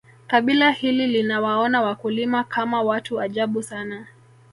kabila hili linawaona wakulima Kama watu ajabu sana